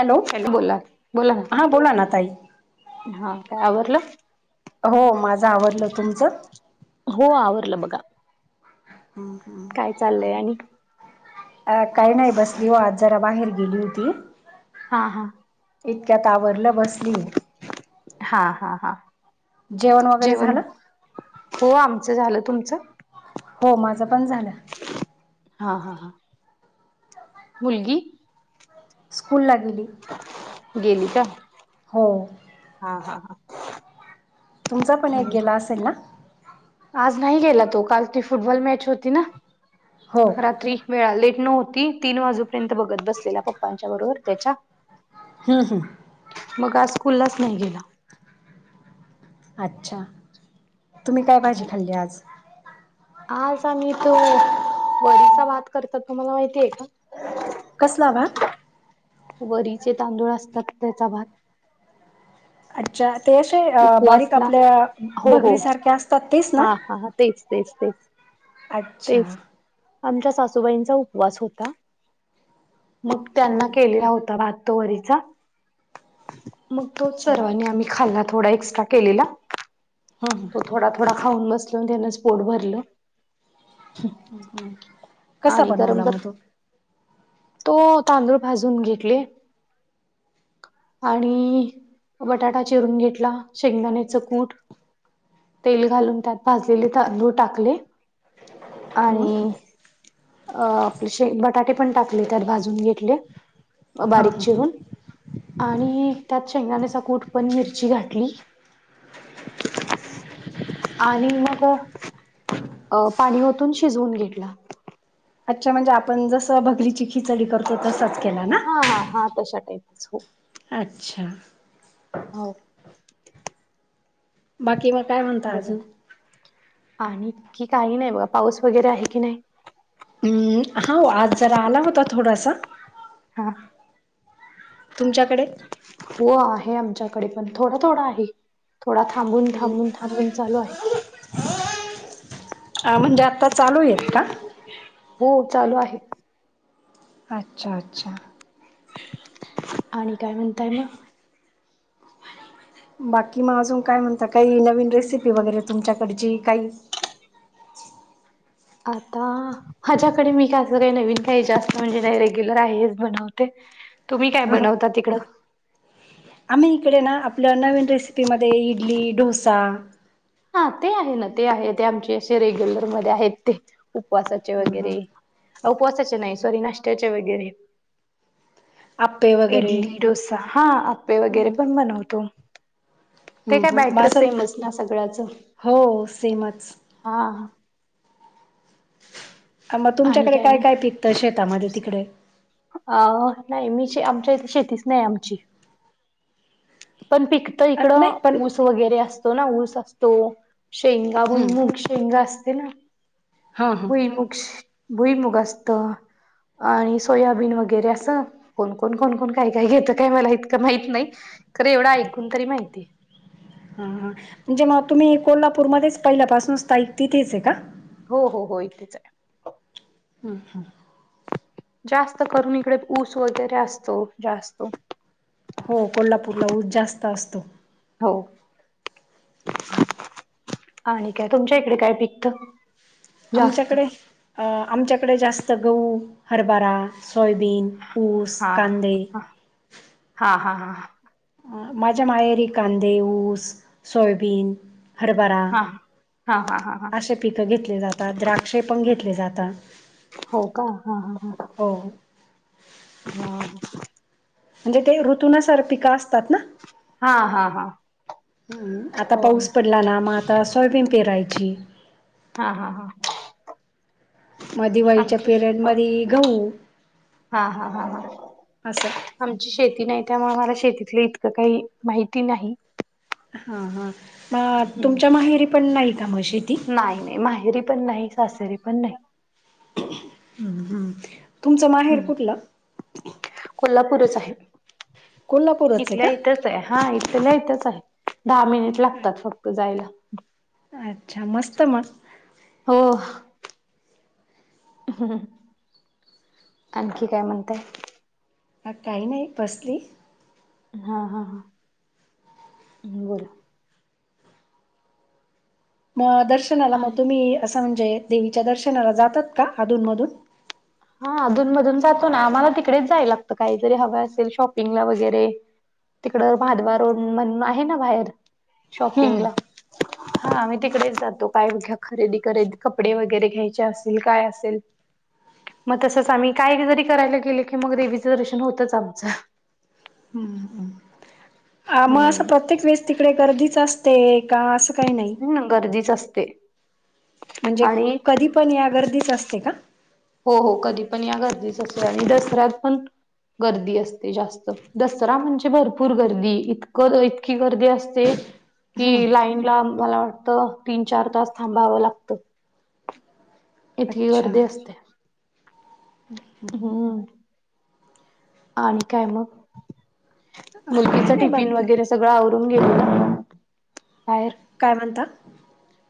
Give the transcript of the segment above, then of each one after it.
Hello बोला बोला ना हां बोला ना ताई हा काय आवरडलं हो माझं आवडलं तुमचं हो आवरलं बघा ह ह काय चाललंय आणि अ काही नाही बसली हो आज जरा बाहेर गेली होती हा हा इतक्या त आावरलं बस हा हा हा जेवण वगैरे झालं हो आमचं झालं तुमचं हो माझं पण झालं हा हा हा मुलगी स्कूलला गेली. गेली का? हो. हा, हा, हा. तुमचा पण एक हम्म गेला आसेल ना? आज नाही गेला तो, काल ती फुटबॉल मॅच होती ना हो रात्री वेळा लेट न होती तीन वाजूपर्यंत बघत बसलेला पप्पांच्या बरोबर तेच्या. हुं, हुं. मग आज स्कूललाच नाही गेला. आच्छा तुम्ही काय भाजी खाल्ली आज? आज आम्ही तो वडीचा भात करतो तुम्हाला माहिती आहे का? ह वरीचे तांदूळ असतात त्याचा भात. अच्छा ते अशे बारीक उपवासला आपल्या हो हो बघरी सारख्या असतात तेच ना? हा हा हा तेच तेच तेच अच्छा तेच आमच्या सासूबाईंचा उपवास होता, मग त्यांना केलेला होता भात त्यो वरीचा मग तोच अच्छा सर्वांनी आम्ही खाल्ला. थोडा एक्स्ट्रा केलेला. हं, हू. तो थोडा थोडा खाऊन बसलो त्यानच पोट भरलं. हू हू. आणि गरम गर तो तांदूळ भाजून घेटले आणि बटाटा चिरून घेतला, शेंगदाण्याचं कूट, तेल घालून त्यात भाजलेले तांदूळ टाकले हं? आणि अ आपले शे बटाटे पण टाकले त्यात भाजून घेतले हां बारीक हां चिरून आणि त्यात शेंगदान्याचा कुट पण मिरची घातली आणि मगं अ पाणी ओतून शिजवून घेटला. आच्छा म्हणजे आपण जसं भगरीची खिचडी करतो तसाच केला ना? हा हा हा तश्या टाईपच हो. आच्छा हो. बाकी म काय म्हणता बघा आजून? ना आणि की काही नाही बघा पाऊस वगैरे आहे की नाही? हम्म हा ओ आज जरा आला होता थोडासा. हा. तुमच्याकडे? हो आहे आमच्याकडे पण थोडा थोडा आहे. थोडा थांबून, थांबून, थांबून चालू आहे. आ म्हणजे आता चालू हेत का? हो चालू आहे. आच्छा आच्छा. आणि काय म्हणताय म? बाकी मग अजून काय म्हणता, काही नवीन रेसिपी वगैरे तुमच्याकडची काही आता माझ्याकडे मी का असं काही नवीन काही जास्त म्हणजे नाही रेग्युलर आहे हेज बनवते. तुम्ही काय बनवता तिकडं? आम्ही इकडे ना आपल नवीन रेसिपीमध्ये इडली, ढोसा, हा ते आहे ना ते आहे ते आमचे असे रेग्युलर मध्ये आहेत ते उपवासाचे हं, वगैरे उपवासाचे नाय, सॉरी नाश्त्याचे वगैरे आप्पे वगैरे इडली, डोसा, हा आप्पें वगैरे हं, पण बनवतो ते हं, काय हं. मग बॅटर असं सेमच ना सगळ्याच? हो सेमच हा मग आणि तुमच्याकडे काय म्हणत काय पीकतं शेतामधे तिकडे? अ नाही मीे आमच्या इथे शेतीच नाही, आमची पण पिकतं नाही इकडं पण ऊस वगैरे असतो ना ऊस असतो शेंगा हम्म भुईमूग शें‌ शेंगा असते ना? हा हा. भुईमुग भुईमुग असतं आणि सोयाबीन वगैरे असं कोण कोण कोण कोण काय काय घेतं. काय मला इतकं माहित नाही खरं एवढं ऐकून तरी माहितीय हा हा म्हणजे मग तुम्ही कोल्हापूरमध्येच पहिल्यापासून स्थायिक तिथेचय का? हो हो हो इथेचय हं हा- जास्त करून इकडे, ऊस वगैरे असतो जास्त हो! कोल्हापूरला ऊस जास्त असतो. हो आणि काय तुमच्या इकडे काय पिकतं? आमच्याकडे आमच्याकडे जास्त गहू, हरबरा, सोयबीन हा ह हा हा हा हा माझ्या माहेरी कांदे, ऊस, सोयाबीन हरबरा हा हा हा हा हा असे पिक घेतली जातात. द्राक्षे पण घेतले जातात हो का? हा ह ह हो हं म्हणजे ते ऋतुनसार पिकं असतात ना? हा हा हा हा हा हम्, आता पाऊस पडला ना, मग आता सोयाबीन पेरायची हा, हा हा म दिवाळीच्या आमची पिरेड मधी गहू हा, हा, हा असं आमची शेती नाही, त्यामुळे मला शेतीतलं इतकं काही माहिती नाही हा हा,, म तुमच्या माहेरी पण नाही का मग शेती? नाय, नाय माहेरी पण नाही, सासरी पण नाही ह् हम्,, तुमचं माहेर हम्म कुठलं? कोल्हापूरच आहे,, कोल्हापूरच आहे इथल्या का इथं हा इथल्या इथच हाय. दहा मिनिट लागतात फक्त जायला. अच्छा! मस्त म हो हम् आणखी काय म्हणताय? मग काही नाही. बसली हा, हा हा बोला. मग दर्शनाला, मग तुम्ही, असं म्हणजे देवीच्या दर्शनाला जातात का? अधून मधून हा, अधून मधून जातो ना,, आम्हाला तिकडेच जायला लागतं. काहीतरी हवं असेल, शॉपिंगला वगैरे तिकडं भादबा रोड म्हणून आहे ना बाहेर हम्म शॉपिंगला हा, आम्ही तिकडेच जातो, काय घ्या खरेदी कपडे, वगैरे घ्यायचे असेल, काय असेल मग तसंच आम्ही, काय जरी करायला गेलो की, मग देवीचं दर्शन होतच आमचं हम्म हम आ मग असं हम्म प्रत्येक वेळेस तिकडे गर्दीच असते का? असं काही नाही हं गर्दीच असते म्हणजे आणि कधी पण या, गर्दीच असते का? हो, हो, कधी पण या, गर्दीच असते. आणि दसऱ्यात पण गर्दी असते जास्त, दसरा म्हणजे भरपूर गर्दी, इतकंऽ की गर्दी असते. कि हम्म लाईन ला मला वाटतं, तीन चार तास थांबावं लागतं. इतकी अच्छा गर्दी असत्या. हो, आणि काय मग,, मुलगीच काही नाही टिफिन बाकी वगैरेऽ सगळं आवरून गेलेलो मी,, बाहेर. काय म्हणता?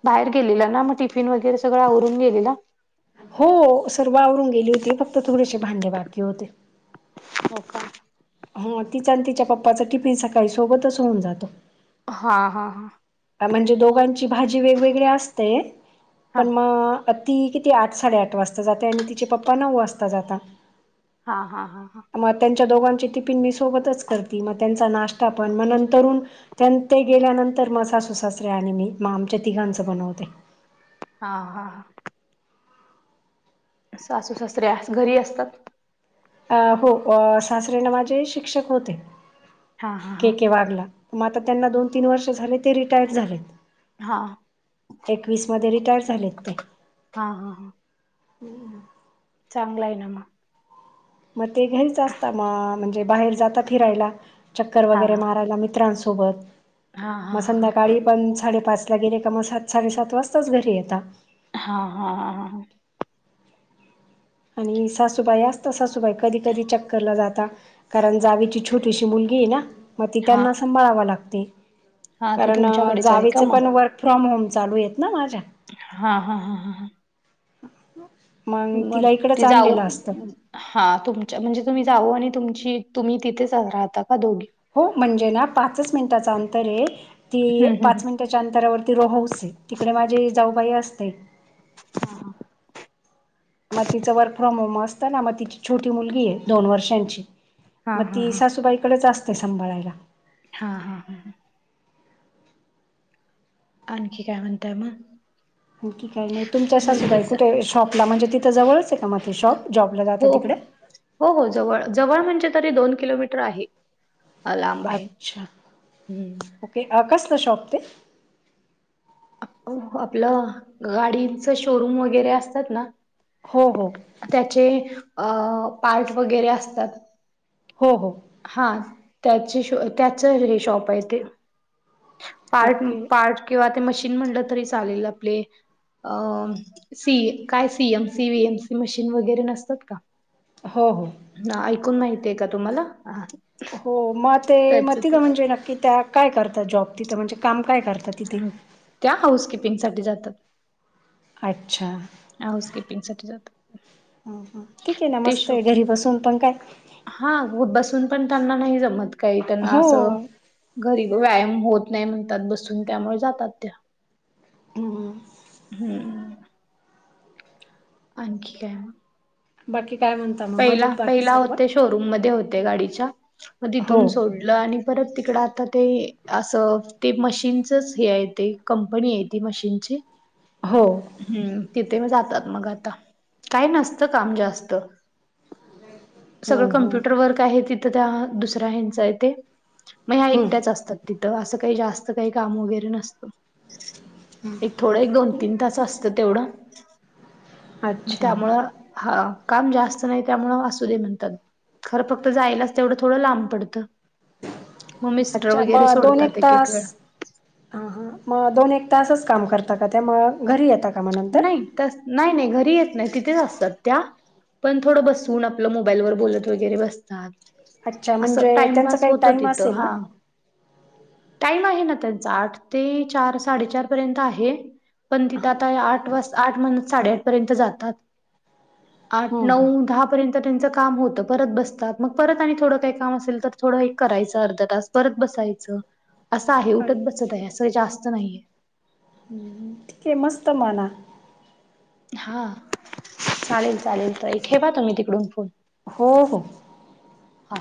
बाहेर गेलेला ना, मग टिफिन वगैरे सगळं आवरून गेलेला.? हो, सर्व आवरून गेली होती, फक्त थोडेसे भांडे बाकी होते. हो का? हा,, तिचा आणि तिच्या पप्पाचा टिफिन सकाळी सोबतच होऊन जातो. हा, हा हा,, आ, म्हणजे दोघांची भाजी वेगवेगळी असते, हा पण मगऽ ती किती आठ साडेआठ वाजता जाते, आणि तिचे पप्पा नऊ वाजता जातात. हा, हा, हा हा, मग त्यांच्या दोघांची टिपीन मी सोबतच करती, मग त्यांऽ त नाश्ता पण म नंतरुण त्य-ते गेल्यानंतर सा स सासरे आणि मी म आमच्या तिघांचं बनवते हा हा ह सासू सासरे अस घरी असतत अ हो सासरेन माझे शिक्षक होते हा हा के हा के वाघला. मग आता त्यांना दोन तीन वर्ष झाले, ते रिटायर झाले. हा एकवीस मध्ये रिटायर झालेत ते. हा हा, हा, हम् हम, चांगला य ना मऽ मग ते घरीच असता म,, म्हणजे बाहेर जाता फिरायला,, चक्कर हा वगैरे हा मारायला मित्रांसोऽ सोबत,, हा हा मग सं्याकाळी पणऽ साडेपाच ला गेले का म सात साडेसात वाजताच घरी येतात हा हा हां हां हां आणि सासूबाई असत सासूबाई कधी कधी चक्करला जाता कारण जावीची छोटीशी मुलगी आहे ना म ती हा त्यांना सांभाळाव लागते. हा ती कारण तुमच्याकडेच आहे का जावेच पण मग वर्क फ्रॉम होम चालू हेत ना माझ्या. हा हा हा हा हा मग म तिला इकडंच ते जाऊ आणलेलं असतं हा तुमच्या म्हणजे तुम्ही जाऊ आणि तुमची तुम्ही तिथेच राहता का दोघी. हो म्हणजे ना पाच मिनिटाचा अंतर आहे ती हम्म हम्म पाच मिन त्याच्या अंतरावरती रोहाऊस आहे तिकडे माझी जाऊबाई असते. हा हा म तिचं वर्क फ्रॉम होम असतं ना म तिची छोटी मुलगी आहे दोन वर्षांची. हा म हा ती हा सासूबाईकडेच असते सांभाळायला हा हा हा ह आणखी काय म्हणताय मग आणखी काय नाही तुमच्या सासूबाई मुलगीच कुठे शॉपला म्हणजे तिथं जवळच आहे का म ते शॉप जॉबला जाता हो तिकडे हो हो जवळ जवळ म्हणजे तरी दोन किलोमीटर आहे. अ, लांब आहे अच्छा हम्म ओके अ कसलं शॉप ते अ आपलं गाडीच शोरूम वगैरे असतात ना हो हो त्याचे अ पार्ट वगैरे असतात हो हो. हा. त्याचे श त्याच हे शॉप आहे ते. पार्ट ओके पार्ट किंवा ते मशीन म्हणलं, तरी चालेल. आपले. अ सी काय सीएमसी एमसी मशीन वगैरे नसतात का? हो हो. अ ऐकून माहीतीये का तुम्हाला? हो. म, ते, म त्याच तिद ते म्हणजे, नक्की त्या काय करता जॉब तिथं. म्हणजे काम काय करतात. तिथे त्या, हाऊस किपिंग साठी जातात. अच्छा. हाऊस किपिंग साठी जातात ह ह. ठीके ना. ते मस्तय. शॉपिंग घरी बसून पण काय? हा बसून पण त्यांना नाही जमत काही. त्यांना हो असं घरी व्यायाम होत नाही म्हणतात बसून. त्यामुळे जातात त्या. हं हम्म. आणखी काय म. बाकी काय म्हण पहिला पहिला होते शोरूम मध्ये होते. गाडीच्या. मग हो तिथून सोड ल. आणि परत तिकड आता ते असं ते मशीनचच हे आहे ते. कंपनीये ती मशीनची. हो. हम्म तिथे जातात मग आता. काय नसतं काम जास्त. हो सगळं हो कम्प्युटर वर्क आहे तिथं त्या दुसऱ्या हेंच आहे ते, मग ह्या हं एकट्याच असतात. तिथं असं काही जास्त काही, काम वगैरे नसतं. एक थोडं एक दोन तीन तास असतं तेवढं. अच्छा त्यामुळं, हा काम जास्त नाही त्यामुळं. असू दे म्हणतात. खरं फक्त जायलाच तेवढं थोडं लांब पडतं. म मिस्टर अच्छा वगैरे सोडतात. एक एक वेळा. हा हा, मग दोन एक तासच काम करता का त्या? म घरी येता का? मग नंतर नाही तस, नाही! नाही! घरी येत नाही. तिथेच असतात त्या. पण थोडं बसवून. आपलं मोबाईलवर बोलत वगैरे बसतात. अच्छा असं म्हणजे त्यांचा टाइमपास काही होतो टाईम तिथं, असेल ना हा. टाइम आहे ना त्यांचा. आठ ते चार-साडेचार पर्यंत आहे. पण तिथं आ तय. आठ वाजता, आठ, साडे-आठ पर्यंत जातात आठ, हं हं नऊ, दहा पर्यंत त्यांच काम होतं, परत बसतात, मग परत आणि थोडं काही काम असेल तर थोडं हे करायचं अर्धा तास. परत बसायचं. असं आहे. उठत-बसत आहे. असं जास्त नाहीये. हम्म, हम्म. ठीके मस्त म्हना. हा! चालेल चालेल ताई, ठेवा तुम्ही तिकडून फोन. हो हो. हा.